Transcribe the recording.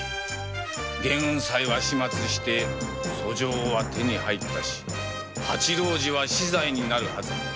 眩雲斉は始末して訴状は手に入ったし蜂郎次は死罪になるハズ